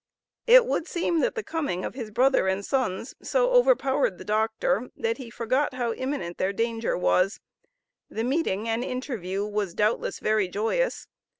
It would seem that the coming of his brother and sons so overpowered the Doctor that he forgot how imminent their danger was. The meeting and interview was doubtless very joyous.